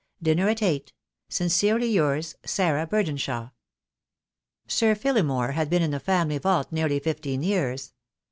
Dinner at eight. "Sincerely yours, "Sarah Burdenshaw." Sir Phillimore had been in the family vault nearly fifteen years.